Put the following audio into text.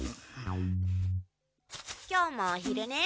今日もおひるね？